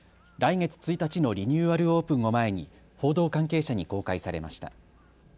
来月１日のリニューアルオープンを前に報道関係者に公開されました。